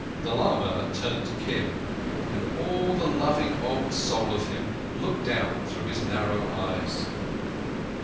The lama turned to Kim, and all the loving old soul of him looked out through his narrow eyes.